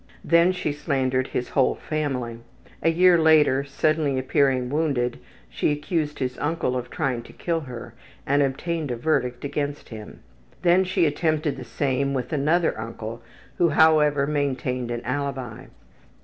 Then she slandered his whole family. A year later, suddenly appearing wounded, she accused his uncle of trying to kill her and obtained a verdict against him. Then she attempted the same with another uncle who, however, maintained an alibi.